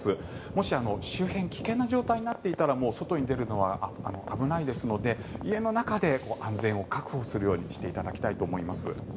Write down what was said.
もし、周辺、危険な状態になっていたら外に出るのは危ないですので家の中で安全を確保するようにしていただきたいと思います。